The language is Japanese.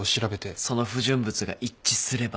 その不純物が一致すれば。